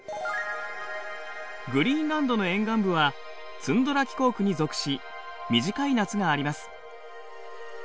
グリーンランドの沿岸部はツンドラ気候区に属し短い夏があります。